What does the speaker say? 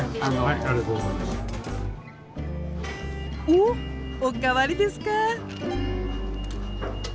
お！おかわりですか。